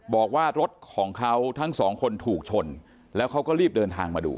บอกว่ารถของเขาทั้งสองคนถูกชนแล้วเขาก็รีบเดินทางมาดู